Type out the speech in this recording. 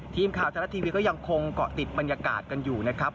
ทีมข่าวไทยรัฐทีวีก็ยังคงเกาะติดบรรยากาศกันอยู่นะครับ